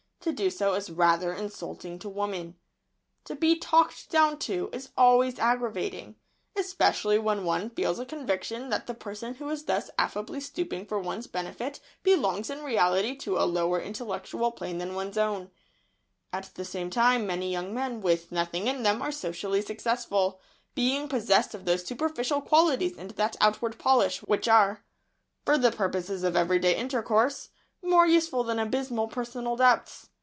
To do so is rather insulting to women. [Sidenote: "Talking down" really an insult.] To be "talked down to" is always aggravating, especially when one feels a conviction that the person who is thus affably stooping for one's benefit belongs in reality to a lower intellectual plane than one's own. [Sidenote: Yet polish alone often succeeds.] At the same time, many young men "with nothing in them" are socially successful, being possessed of those superficial qualities and that outward polish which are, for the purposes of everyday intercourse, more useful than abysmal personal depths.